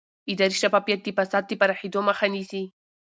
اداري شفافیت د فساد د پراخېدو مخه نیسي